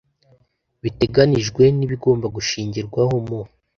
biteganijwe n ibigomba gushingirwaho mu